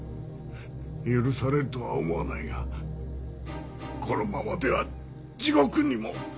許されるとは思わないがこのままでは地獄にも。